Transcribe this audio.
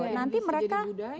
oke jadi bisa jadi budaya